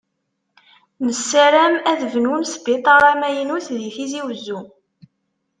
Nessaram ad bnun sbitaṛ amaynut di tizi wezzu.